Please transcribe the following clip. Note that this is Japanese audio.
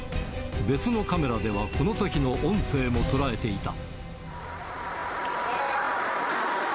別のカメラではこのときの音声もとられていた。